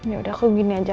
ya udah aku gini aja